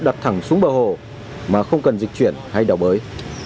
đặt thẳng xuống bờ hồ mà không cần dịch chuyển hay đảo bới